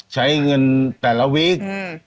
ใช้เงินแต่ละวิก